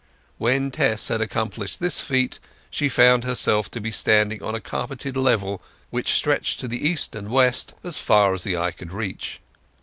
When Tess had accomplished this feat she found herself to be standing on a carpeted level, which stretched to the east and west as far as the eye could reach.